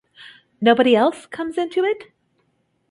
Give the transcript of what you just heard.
Nobody else comes into it?